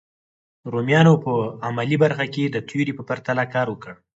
رومیانو په عملي برخه کې د تیوري په پرتله کار وکړ.